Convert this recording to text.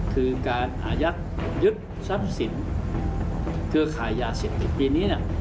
คือการอายัดยึดทรัพย์สินเครือข่ายยาเสพติดปีนี้